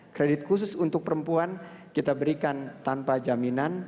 kredit khusus untuk perempuan kita berikan tanpa jaminan